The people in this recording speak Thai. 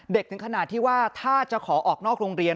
ถึงขนาดที่ว่าถ้าจะขอออกนอกโรงเรียน